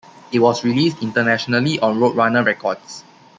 It was released internationally on Roadrunner Records.